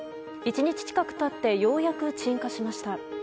１日近く経ってようやく鎮火しました。